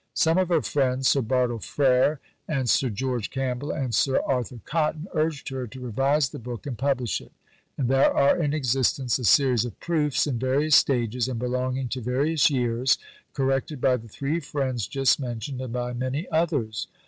Some of her friends Sir Bartle Frere and Sir George Campbell and Sir Arthur Cotton urged her to revise the book and publish it; and there are in existence a series of proofs, in various stages, and belonging to various years, corrected by the three friends just mentioned and by many others.